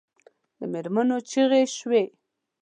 د مېرمنو چیغې شوې.